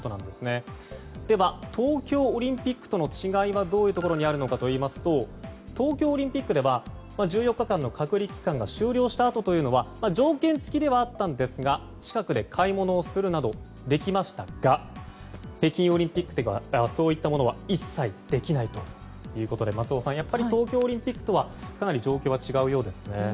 では東京オリンピックとの違いはどういうところにあるのかといいますと東京オリンピックでは１４日間の隔離期間が終了したあとは条件付きではあったんですが近くで買い物をするなどできましたが北京オリンピックではそういったものは一切できないということで松尾さん、東京オリンピックとはかなり状況が違うようですね。